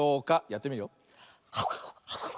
やってみるよ。